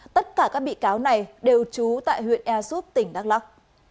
tất cả các bị cáo này đều trú tại huyện e soup tỉnh đắk lắc